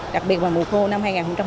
đặc biệt là mùa khô năm hai nghìn hai mươi